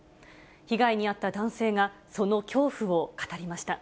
被害に遭った男性が、その恐怖を語りました。